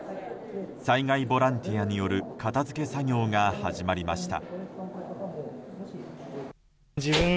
災害ボランティアによる片付け作業が始まりました。